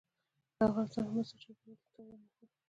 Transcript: افغانستان کې مس د چاپېریال د تغیر نښه ده.